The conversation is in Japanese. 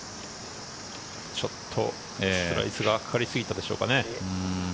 ちょっとスライスがかかりすぎたでしょうかね。